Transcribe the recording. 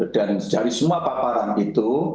dan dari semua paparan itu